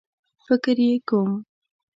فکر یې کوم